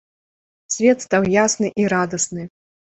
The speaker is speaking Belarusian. Свет стаў ясны і радасны.